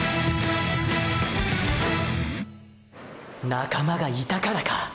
仲間がいたからか！！